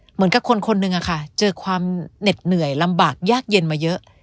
เหมือนกับคนคนหนึ่งอะค่ะเจอความเหน็ดเหนื่อยลำบากยากเย็นมาเยอะ